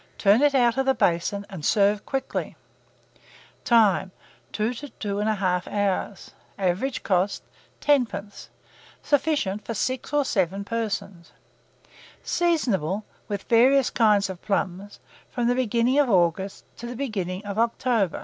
Turn it out of the basin, and serve quickly. Time. 2 to 2 1/2 hours. Average cost, 10d. Sufficient for 6 or 7 persons. Seasonable, with various kinds of plums, from the beginning of August to the beginning of October.